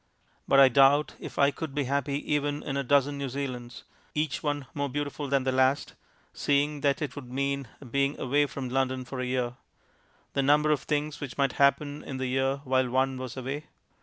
But I doubt if I could be happy even in a dozen New Zealands, each one more beautiful than the last, seeing that it would mean being away from London for a year. The number of things which might happen in the year while one was away!